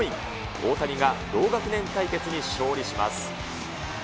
大谷が同学年対決に勝利します。